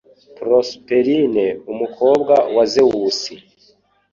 Prosperine, umukobwa wa Zewusi.